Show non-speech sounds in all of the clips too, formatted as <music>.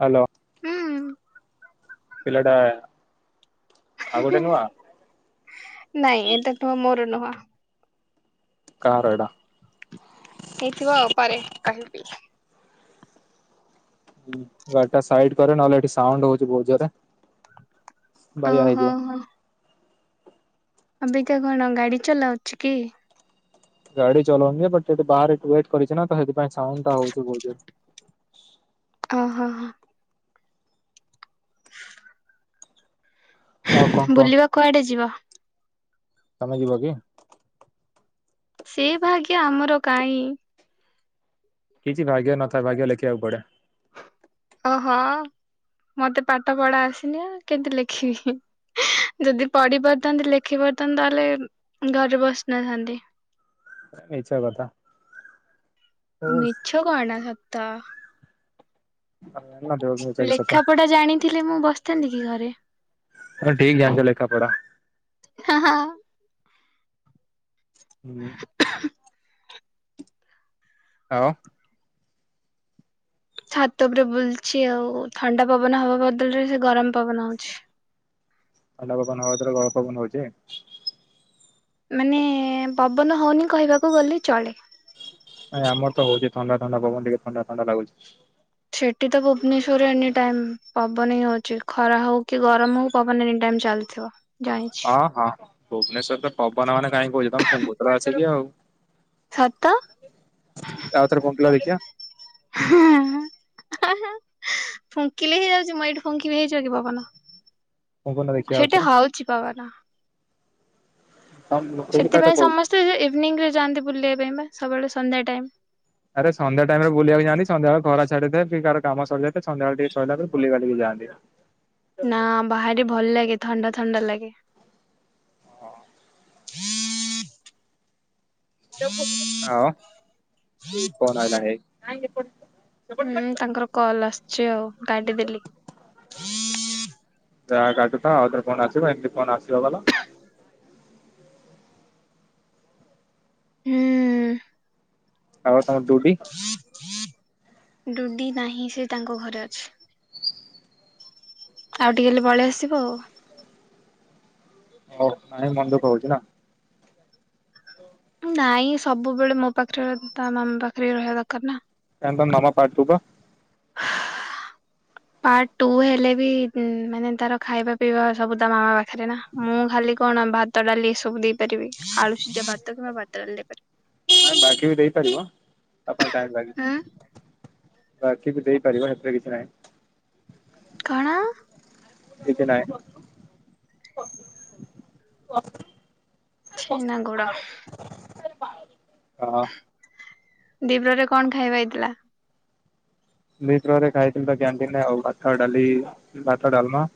Hello ହୁଁ ପିଲାଟା ଆଉ ଗୋଟେ ନୁଆ ନାଇଁ ଏଟା ନୁହଁ ମୋର ନୁହଁ କାରୋଡ଼ା ହେଇଥିବ ଆଉ ପରେ କହିବି ଗାଡି ସାଇଟି କରେ ନହେଲେ ଏଠି ସାଉଣ୍ଡ ହଉଛି ବହୁତ ଜୋର ରେ ବାୟା ଓହୋ ହେଇଯିବ ହୋ ଅବିକା କଣ ଗାଡି ଚଲାଉଛି କି ଗାଡି ଚଲଉନି ବଟ୍ ବାହାରେ ୱାଟ କରିଛି ନା ତ ସେଥିପଁ ସାଉଣ୍ଡ ଟା ହଉଛି ବହୁତ ଜ ଓ ହଁ ହଁ ଆଉ କଣ କୁହ ବୁଲିବା କୁଆଡେ ଯିବା ତମେ ଯିବ କି ସେ ଭାଗ୍ୟ ଆମର କାହିଁ କିଛି ଭାଗ୍ୟ ନଥାଏ ଭାଗ୍ୟ ଲେଖିବାକୁ ପଡେ ଓହୋ ମତେ ପାଠ ପଢା ଆସିନି ଆ କେମତି ଲେଖିବି ଯଦି ପଢି ପାରୁିଥାନ୍ତେ ଲେଖି ପାରୁିଥାନ୍ତେ ତାହେଲେ ଘରେ ବସି ନଥାନ୍ତି ମିଛ କଥା ମିଛ କଣ ସତ <unintelligible> ଲେଖାପଢା ଜାଣିଥିଲେ ମୁଁ ବସିଥାନ୍ତି କି ଘରେ ହ ଠିକ ଯ ଆସ ଲେଖା ପୁରା ହଁ ହଁ ହୁଁ ହଉ ଛାତ ଉପରେ ବୁଲଛି ଆଉ ଥଣ୍ଡା ପବନ ହବା ବଦଳରେ ସେ ଗରମ ପବନ ହଉଛି ଅଣ୍ଡା ପବନ ହଥର ଗରମ ପବନ ହଉଛି ମାନେ ପବନ ହଉନି କହିବାକୁ ଗଲେ ଚଳେ ନାଇଁମର ତ ହଉଛି ଥଣ୍ଡା ଥଣ୍ଡା ପବନ ଟିକେ ଥଣ୍ଡା ଥଣ୍ଡା ଲାଗୁଛି ସେଛଠି ତ ଭୁବନେଶ୍ଵରରେ ଏନି ଟାଇମ ପବନ ହି ହଉଛି ଖରା ହଉ କି ଗରମ ହଉ ପନ ଏନି ଟାଇମ ଚାଲଛ ହଁ ହଁ ଭୁବନେଶ୍ଵର ରେ ପବନ ମାନେ କାହିଁ କହୁଛ ତମ ଫୁଙ୍ଗୁତ୍ରା ଆସ କି ଆଉ ସତ, ଆଉଥରେ ପୁଙ୍ଗୁଥିଲ ଦେଖିବା ହୁଁ ହୁଁ ଫୁଙ୍କିଲେ ହେଇଯାଉଛି ମୁଁ ଏଇଠି ଫୁଙ୍କିବି ହେଇଯିବ କି ପବନ ପୁଙ୍ଗୁନ ଦେଖିବା ସେଇଟି ଆଉଥରେ ହଉଚି ପବନ। ସେଇ କଥା ସେଥିପାଇଁ କହୁଛି। ସମସ୍ତେ ସେ ଇଭିନିଂରେ ଯାଆନ୍ତି ବୁଲିବା ପାଇଁ ପା ସବୁବେଳେ ସନ୍ଧ୍ୟା ଟାଇମ୍। ଆରେ ସନ୍ଧ୍ୟା ଟାଇମ୍ ରେ ବୁଲିବାକୁ ଯଆନ୍ତି, ସନ୍ଧ୍ୟାବେଳେ ଖରା ଛାଡିଥାଏ କି କାହାର କାମ ସରି ଯାଇ ଥାଏ, ସନ୍ଧ୍ୟା ବେଳେ ଟିକେ ଛଅଟାରୁ ବୁଲି ବାଲିକି ଯାଆନ୍ତି। ନାଁ ବାହାରେ ଭଲ ଲାଗେ, ଥଣ୍ଡା ଥଣ୍ଡା ଲାଗେ। <unintelligible> ହୁଁ ତାଙ୍କର କଲ୍ ଆସୁଛି ଆଉ କାଟି ଦେଲି। ଯାହା କାଟୁଥାଅ ଆଉଥରେ ଫୋନ୍ ଆସିବ, ଏମିତି ଫୋନ୍ ଆସିବା ଭଲ। ହୁଁ। ଆଉ ତମର ଡୁଡ଼ି? ଡୁଡି ନାହିଁ ସେ ତାଙ୍କ ଘରେ ଅଛି। ଆଉ ଟିକେ ହେଲେ ବଳେ ଆସିବ ଆଉ। ହଉ ନାହିଁ ମନ ଦୁଃଖ ହଉଛି ନା? ନାଇଁ ସବୁବେଳେ ମୋ ପାଖରେ ତା ମାମା ପାଖରେ ରହିବା ଦରକାର ନା। <unintelligible> <inaudible> ପାର୍ଟ ଟୁ ହେଲେ ବି ମାନେ ତାର ଖାଇବା ପିଇବା ସବୁ ତା ମାମା ହେଲେ ନା, ମୁଁ ଖାଲି କଣ ଭାତ ଡାଲି ଏ ସବୁ ଦେଇପାରିବି ଆଳୁ ସିଝା ଭାତ କିମ୍ବା ଭାତ ଡାଲି ଦେଇପାରିବି। ବାକି ବି ଦେଇପାରିବ ତା ପାଇଁ ଟାଇମ୍ ଲାଗି ଉଁ ବାକିିବି ଦେଇପାରିବ ହେଥିରେ କିଛି ନାହିଁ। କଣ? କିଛିନାଇଁ <unintelligible> ଛେନା ଗୁଡ <unintelligible> ଦିପ୍ରରେ କଣ ଖାଇବା ହେଇଥିଲା? ଦି ପ୍ରହରେ ଖାଇଥିଲି ପା କ୍ୟାଣ୍ଟିନରେ ଆଉ ଭାତ, ଡାଲି, ଭାତ ଡାଲମା।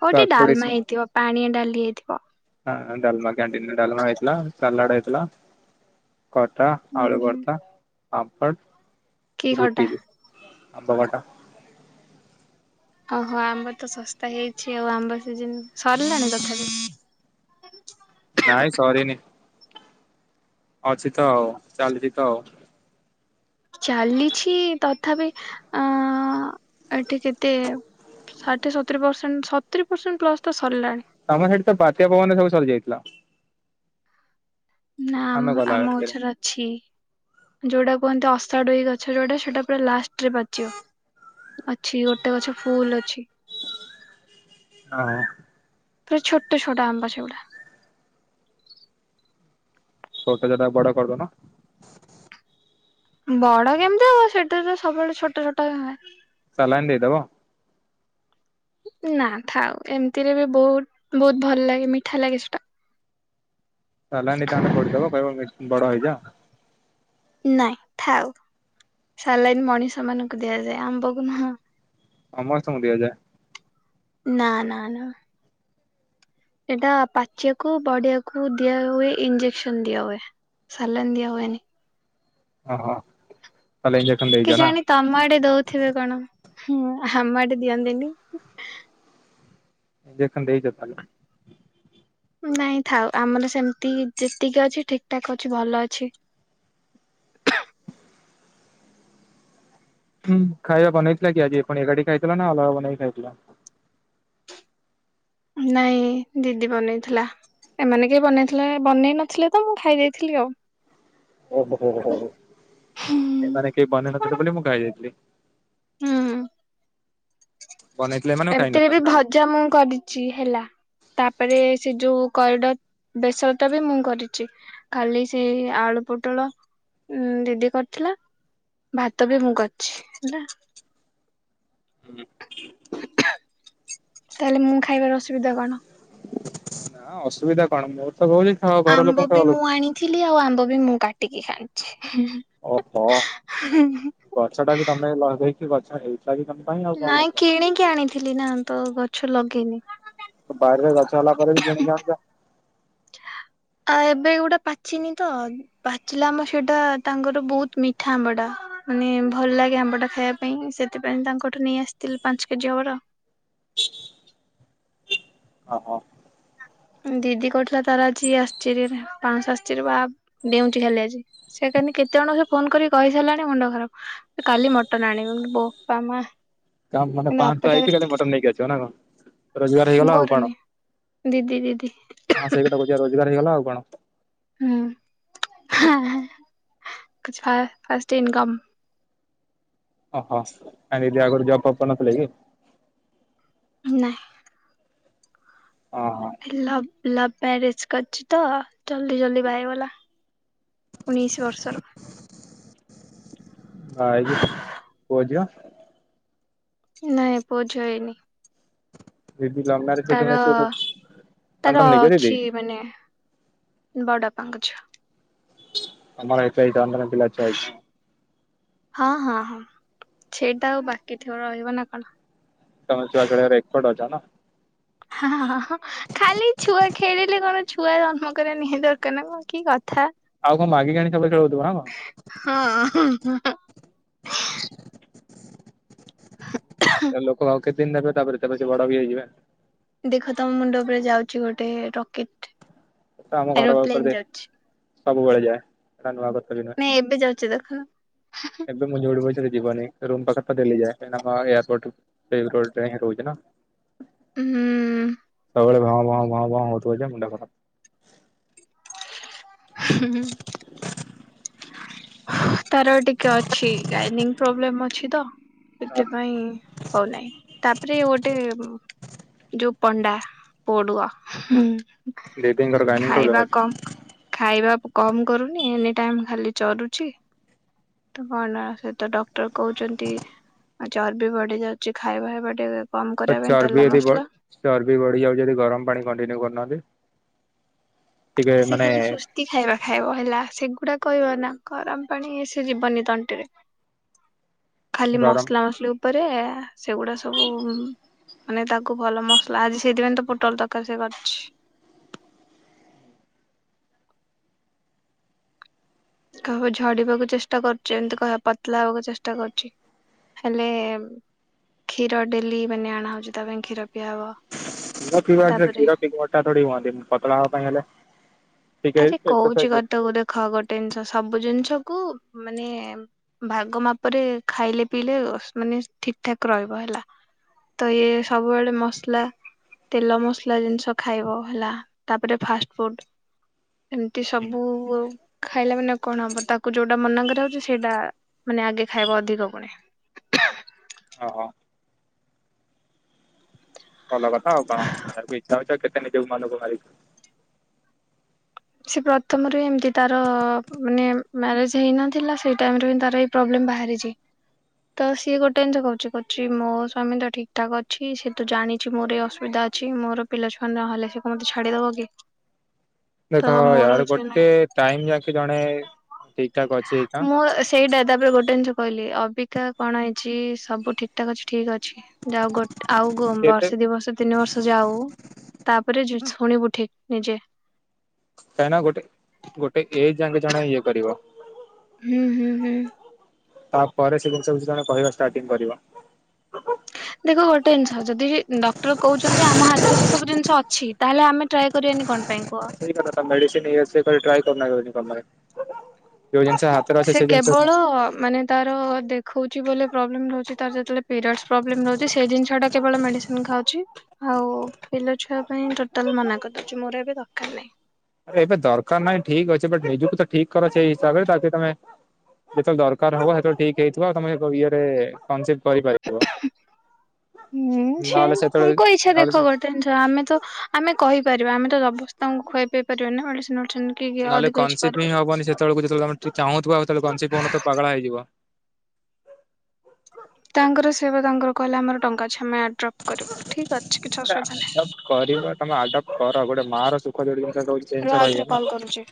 କୋଉଠି କାକୁଡି ଡାଲମା ହେଇଥିବ, ପାଣିଆ ଡାଲି ହେଇଥିବ। ହଁ ହଁ ଡାଲମା କ୍ୟାଣ୍ଟିନ୍ରେ ଡାଲମା ହେଇଥିଲା, ସାଲାର୍ଡ଼୍ ହେଇଥିଲା। ଖଟା, ଆଳୁ ହୁଁ। ଭର୍ତା, ପାମ୍ପଡ଼, କି ଖଟା ରୁଟିଯେ। ଆମ୍ବ ଖଟା। ଓହୋ ଆମ୍ବ ତ ଶସ୍ତା ହେଇଛି ଆଉ ଆମ୍ବ ସିଜିନ ସରିଲାଣି ତଥାପି। ନାଇଁ ସରିନି। ଅଛି ତ ଆଉ, ଚାଲିଛି ତ ଆଉ। ଚାଲିଛି ତଥାପି ଅଁ ଏଠି କେତେ? ଷାଠିଏ, ସତୁରୀ ପରସେଣ୍ଟ, ସତୁରି ପରସେଣ୍ଟ ପ୍ଲସ୍ ତ ସରିଲାଣି। ତମ ସେଇଠି ତ ବାତ୍ୟା ପବନରେ ସବୁ ସରିଯାଇଥିଲା। ନା ଆମେ ଆମ, ଗଲା ଆମ ରାତିରେ ଗଛରେ ଅଛି, ଯୋଉଟା କୁହନ୍ତି ଅସାଡୋଇ ଗଛ ଯୋଉଟା ସେଟା ପୁରା ଲାଷ୍ଟରେ ପାଚିବ। ଅଛି ଗୋଟେ ଗଛ ଫୁଲ୍ ଅଛି। <unintelligible> ପୁରା ଛୋଟ ଛୋଟ ଆମ୍ୱ ସେଗୁଡ଼ା। ଛୋଟ ଯୋଉଟା ବଡ଼ କରିଦଉନ। ବଡ କେମିତି ହବ ସେଇଟା ତ ସବୁବେଳେ ଛୋଟ ଛୋଟ ହୁଏ। ସାଲାଇନ୍ ଦେଇଦବ। ନା ଥାଉ ଏମିତିରେ ବି ବହୁତ ବହୁତ ଭଲ ଲାଗେ ମିଠା ଲାଗେ ସେଟା। ସାଲାଇନ୍ କାଣ୍ଡ୍ ଫୋଡିଦବ, କହିବ ମିସ୍ ବଡ ହେଇଯା। ନାଇଁ ଥାଉ, ସାଲାଇନ୍ ମଣିଷ ମାନଙ୍କୁ ଦିଆଯାଏ ଆମ୍ବକୁ ନୁହଁ। ସମସ୍ତଙ୍କୁ ଦିଆଯାଏ। ନା ନା ନା ସେଇଟା ପାଚିବାକୁ ବଡିଆକୁ ଦିଆ ହୁଏ, ଇଞ୍ଜେକସନ ଦିଆ ହୁଏ। ସାଲାଇନ ଦିଆ ହୁଏନି। ଓହୋ ତାହେଲେ ଇଞ୍ଜେକ୍ସନ ଦେଇଛ ନା କେଜାଣି ତମ ଆଡେ ଦେଉଥିବେ କଣ ହଁ ଆମ ଆଡେ ଦିଅନ୍ତିନି। ଇଞ୍ଜେକ୍ସନ ଦେଇଛ ତାହେଲେ ନାଇଁ ଥାଉ ଆମର ସେମିତି ଯେତିକି ଅଛି ଠିକ ଠାକ୍ ଅଛି ଭଲ ଅଛି। ହୁଁ ଖାଇବା ବନେଇଥିଲା କିଏ ଆଜି ପୁଣି ଏକାଠି ଖାଇଥିଲ ନା ଅଲଗା ବନେଇ ଖାଇଥିଲ। ନାଇଁ ଦିଦି ବନେଇଥିଲା। ଏମାନେ କେହି ବନେଇଥିଲେ ବନେଇ ନଥିଲେ ତ ମୁଁ ଖାଇ ଦେଇଥିଲି ଆଉ। ଓହୋ ହୋ ହୁଁ ଏମାନେ କିଏ ବନେଇନ ଥିଲି ବୋଲି ମୁ ଖାଇଦେଇଥିଲି। ହୁଁ ହଁ ବନେ ଏମିତିରେ ବି ଭଜା ମୁଁ କରିଛି ହେଲା। ତାପରେ ସେ ଯୋଉ କରିଡର ବେସରତା ବି ମୁଁ କରିଛି। ଖାଲି ସେଇ ଆଳୁ ପୋଟଳ ଦିଦି କରିଥିଲା। ଭାତ ବି ମୁଁ କରିଛି ହେଲା। ହୁଁ ତାହେଲେ ମୁଁ ଖାଇବାର ଅସୁବିଧା କଣ। ନା ଅସୁବିଧା କଣ ମୋର ତ ହଉଛି ଖାଅ ଘର ଲୋକଙ୍କୁ ଅଲଗା ଥିଲି ଆଉ ଆମ୍ବ ବି ମୁଁ କାଟିକି ଖାଇଛି। ଓହୋ ଗଛ ଟା ବି ତମେ ଲଗେଇକି ଗଛ ହେଇଥିଲା କି ତମେ ନାଇଁ କିଣିକି ଆଣିଥିଲି ନା ତ ଗଛ ଲଗେଇନି। ବାରିରେ ଗଛ ହେଲା ପରେ ବି କିଣିକି ଆଣୁଛ। ଆଉ ଏବେ ଗୋଟେ ପାଚିନି ତ ପାଚିଲା ଆମ୍ବ ସେଇଟା ତାଙ୍କର ବହୁତ ମିଠା ଆମ୍ବ ଟା ମାନେ ଭଲ ଲାଗେ ଆମ୍ବ ଟା ଖାଇବା ପାଇଁ ସେଥିପାଇଁ ତାଙ୍କଠୁ ନେଇ ଆସିଥିଲି ପାଞ୍ଚ କେଜି ହବର। ଓହୋ ଦିଦି କହୁଥିଲା ତାର ଆଜି ଆସିଚ ପାଞ୍ଚଶ ଆସିଚି ବା ଦେଉଁଛି ଖାଲି ଆଜି। ସେକାନି କେତେ ଜଣଙ୍କୁ ସେ ଫୋନ କରି କହିସାରିଲାଣି ମୁଣ୍ଡ ଖରାପ। କାଲି ମଟନ ଆଣିବ ବୋପା ମା। ତା ମାନେ କିନ୍ତୁ ପାଞ୍ଚଥହ ଅପେକ୍ଷା ଆଇଚି କାଲି କରିଥିଲା ମଟନ ନେଇକି ଆସିବ ନା କଣ ରୋଜଗାର ହେଇଗଲା ଆଉ କଣ। ଦି ଦିଦି ହଁ ସେଇ ରୋଜଗାର ହେଇଗଲା ଆଉ କଣ। ହୁଁ ଫାଷ୍ଟ ଇନକମ୍। ଓହୋ କାଇଁ ଦିଦି ଆଗରୁ ଜବ୍ ଅପ୍ କରୁନଥିଲେ କି? ନାଇଁ ଓ ହଁ ଲଭ୍ ଲଭ୍ ମ୍ୟାରେଜ କରିଛି ତ ଜଲ୍ଦି ଜଲ୍ଦି ବାହା ହେଇଗଲା। ଉଣେଇଶ ବର୍ଷର ଆଉ ଯୁ ପୁଅ ଝିଅ? ନାଇଁ ପୁଅ ଝିଅ ହେଇନି। ଦିଦି ଲଭ ତାର ତାର ନିଜ ଦିଦି ଅଛି ମାନେ ବଡବାପାଙ୍କ ଝିଅ। ଆମର ଏବେ ଏଟା ଆମର ପିଲା ଛୁଆ ହେଇ ହଁ- ହଁ- ହଁ ସେଟା ଆଉ ବାକି ଥିବ ରହିବ ନା କଣ। ତମେ ଛୁଆ ଖେଳେଇ ବାରେ ଏକ୍ପପଟ୍ ଅଛ ନା। ହଁ- ହଁ ଖାଲି ଛୁଆ ଖେଳିଲେ କଣ ଛୁଆ ଜନ୍ମ କରିବା ନିହାତି ଦରକାର୍ ନା କଣ କି କଥା। ଆଉ କଣ ମାଗିକି ଆଣି ଚଲୋଉଚ ବୋଧେ ନାକଣ? ହଁ-ଅଁ <unintelligible> ଲୋକ ଆଉ କେତେ ଦିନ୍ ନେବେ ତାପରେ ତବେ ସେ ବଡ ବି ହେଇଯିବେ। ଦେଖ ତମ ମୁଣ୍ଡ ଉପରେ ଯାଉଛି ଗୋଟେ ରକେଟ୍। ତ ଆମ ଘର ପାଖରେ ଯାଏ, ସବୁବେଳେ ଯାଏ। ନାଇଁ ଏବେ ଯାଉଛି ଦେଖ <unintelligible> ମୁ ଯୋଉଠି କହୁଚି ଯିବନି ରୁମ୍ ପାଖରେତ ଡେଲି ଯାଏ, ଏ ଆମ ଏୟପୋର୍ଟ। ଏ କଲ୍ ଟା ଆଜ୍ଞା ରହୁଛି ନା। ହୁଁ -ଉଁ-ଉ ସବେଳେ ଭଁ- ଭଁ -ଭଁ-ଭଁ-ଭଁ ହଉଥିବ ଯେ ମୁଣ୍ଡ ଖରାପ୍। ହୁଁ -ହୁଁ। ତାର ଟିକେ ଅଛି ଗାଇନି ପ୍ରୋବ୍ଲେମ୍ ଅଛି ତ, ସେଥିପାଇଁ ହଉ ନାଇଁ, ତାପରେ ଗୋଟେ ଯୋଉ ପଣ୍ଡା ପଡୁଆ ହୁଁ -ଉଁ ଦିଦିଙ୍କର ଗାଇନିଙ୍ଗ ପ୍ରୋବ୍ଲେମ ଖାଇବା ଅଛି କମ୍ ଖାଇବା କମ୍ କରୁନି ଏନି ଟାଇମ୍ ଖାଲି ଚରୁଚ୍ ଛି ତ କଣ ସେତ ଡକ୍ଟର କହୁଛନ୍ତି। ଆଉ ଚର୍ ବି ବଢି ଯାଉଛି ଖାଇବା ହେବା ଟିକେ କମ୍ ତ କରିବା ପାଇଁ ଚର୍ବି ତେଲ ଯଦି ବ ମସଲା। ଚର୍ବି ବଢିଯାଉଛି ଯଦି ଗରମ୍ ପାଣି କଣ୍ଟିନ୍ୟୁ କରୁନାହାନ୍ତି। ଟିକେ ସେ ମାନେ ଖାଲି ସୁସ୍ଥ୍ କେତି ଖାଇବା ଖାଇବ ହେଲା, ସେଗୁଡାକ କହିବ ନା ଗରମ୍ ପାଣି ସେ ଯିବନି ତଣ୍ଟିରେ। ଖାଲି ଗରମ ମସଲା ମସ୍ ଲି ଉପରେ ସେଗୁଡା ସବୁ ଉ-ଉ ମାନେ ତାକୁ ଭଲ ମସଲା ଆଜି ସେଇଥିପାଇଁ ତ ପୋଟଲ ତରକାରୀ ସେ କରିଛି। କହିବ ଝଡିବାକୁ ଚେଷ୍ଟା କର୍ଚି ଏମିତି କହିବା ପତଳା ହେବାକୁ ଚେଷ୍ଟା କର୍ଛି। ହେଲେ କ୍ଷୀର ଡେଲି ମାନେ ଆଣା ହଉଚି ତା ପାଇଁ କ୍ଷୀର ପିଆହବ। <unintelligible> ପତଳା ହବା ପାଇଁ ହେଲେ <unintelligible> ଖ ଗୋଟେ ଜିନିଷ ସବୁ ଜିନିଷ କୁ ମାନେ-ଏ-ଏ ଭାଗ ମାପରେ ଖାଇଲେ ପିଇଲେ ମାନେ ଠିକ୍ ଠାକ୍ ରହିବ ହେଲା। ତ ଇଏ ସବୁବେଳେ ମସଲା। ତେଲ ମସଲା ଜିନିଷ ଖାଇବ ହେଲା ତାପରେ ଫାଷ୍ଟ୍ ଫୁଡ୍ ଏମିତି ହୁଁ ସବୁ ଖାଇଲେ ମାନେ କଣ ହବ ତାକୁ ଯୋଉଟା ମନା କରାହୋଉଛି ସେଇଟା ମାନେ ଆଗେ ଖାଇବ ଅଧିକ ଫୁଣି। ଓହ। ଭଲ କଥା ଆଉ କଣ ଇଚ୍ଛା ମିଛା କେତେ ନିଜ ମନକୁ ମାରି ସେ ପ୍ରଥମରୁ ଏମିତି ତାର-ଅଁ-ଅ ମାନେ ମ୍ୟାରେଜ୍ ହେଇନଥିଲା, ସେଇ ଟାଇମ୍ ରେ ତାର। ପ୍ରୋବ୍ଲେମ୍ ବାହାରିଛି। ତ ସିଏ ଗୋଟେ ଜିନିଷ କହୁଛି କରୁଛି ମୋ ସ୍ବାମୀ ତ ଠିକ୍ ଠାକ୍ ଅଛି, ସିଏ ତୁ ଜଣିଛି ମୋର ଇ ଅସୁବିଧା ଅ ଅଛି, ମୋର ପିଲାଛୁଆ ନହଲେ ସେ କଣ ମୋତେ ଛାଡିଦବ କି। ତ ଦେଖ ମୋର ଏଆଡେ କିଛି ନାହିଁ ଗୋଟେ ଟାଇମ୍ ଯାକି ଜଣେ ଠିକ୍ ଠାକ୍ ଅଛି ଏନା। ମୁଁ ସେଇଟା ତାପରେ ଗୋଟେ ଜିନିଷ କହିଲେ ଅବିକା କଣ ହେଇଛି ସବୁ ଠିକ୍ ଠାକ୍ ଅଛି ଠିକ୍ ଅଛି। <unintelligible> ଆଉ ଗୋ କେତେ ବର୍ଷେ ଦି ବର୍ଷ ତିନି ବର୍ଷ ଯାଉ ତାପରେ ଶୁଣିବୁ ଠିକ ନିଜେ। କାହିଁକି ନା ଗୋଟେ ଗଟେ ଏଜ ଯାଙ୍କେ ଜଣେ ଇଏ କରିବ। ହୁଁ ହୁଁ ହୁଁ। ତାପରେ ସେ ଜିନିଷକୁ କି ଜଣେ କହିବା ଷ୍ଟାର୍ଟିଂ କରିବ। ଦେଖ ଗୋଟେ ଜିନିଷ ଯଦି ଡକ୍ଟର କହୁଛନ୍ତି ଯେ ଆମ ହାତରେ ସେ ସବୁ ଜିନିଷ ଅଛି ତାହେଲେ ଆମେ ଟ୍ରାଏ କରିବାନି କଣ ପାଇଁ କୁହ ସେଇକଥା ମେଡିସିନ ଏ ସେ ଟ୍ରାଏ <unintelligible> ସେ ଜିନିଷ କେବଳ ଆରେ ମାନେ ତାର ଦେଖଉଛି ବ ପ୍ରୋବ୍ଲେମ ରହୁଛି ତାର ଯେତେବେଳେ ପିରିୟଡ଼ ପ୍ରୋବେଲମ୍ ରଛି ସେ ଜିନିଷଟା କେବଳ ମେଡିସିନ ଖାଉଛି। ଆଉ ପିଲ ଛୁଆ ପାଇଁ ଟୋଟାଲ ମନା କରିଦଉଛି ମୋର ଏବେ ଦରକାର ନାହିଁ। ଏବେ ଦରକାର ନାହିଁ ଠିକ ଅଛି ବଟ ନିଜକୁ ତ ଠିକ କର ସେଇ ହିସାବରେ ତାକି ତମେ ଯେତେବେଳେ ଦରକାର ହବ ସେତେବେଳେ ଠିକ ହେଇଥିବ ତମେ ଇଏରେ କନସି କରିପାରିବ। ହୁଁ ସେ ନହେଲେ ସେତେବେଳେ ତାଙ୍କ ଇଛା ନହେଲେ ଦେଖ ଗୋଟେ ଆମେ ତ ଆମେ କହିପାରିବା ଆମ ତ ଜବରଦସ୍ତି ତାଙ୍କୁ ଖୁଏଇ ପିଏଇ ପାରିବା ନି ନା ମେଡିସିନ କି ନହେଲେ ଅଧିକ କିଛି କନସିିପ ହିଁ କରିପାରିବାନି। ହବନି ସେତବେଳ ଯେତେବେଳେ ଆମେ ଚାଁହୁ ଥିବା ସେତେବେଳେ କନ୍ସିିପ୍ଟ ହେଉନଥିବ ପାଗଳା ହେଇଯିବ। ତାଙ୍କର ସେ ବା ତାଙ୍କର କହିଲେ ଆମର ଟଙ୍କା ଅଛି ଆମେ ଆଡ୍ରପ୍ କରିବୁ ଠିକ ଅଛି କିଛି ଅସୁବିଧା ନାହିଁ। ଆଡପ୍ଟ କରିବ ତମେ ଆଡପ କର ଗୋଟେ ମା ର ସୁଖ ଯୋଉଟ ଜିନିଷ ନାହିଁ ରୁହ ଜିଷ ଆଉଥରେ ରହିବ ନା। କଲ୍ କରୁଛି।